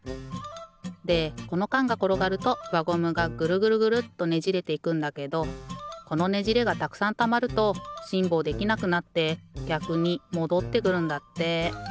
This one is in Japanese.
でこのかんがころがるとわゴムがぐるぐるぐるっとねじれていくんだけどこのねじれがたくさんたまるとしんぼうできなくなってぎゃくにもどってくるんだって。